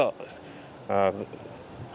không đạt được nguồn khung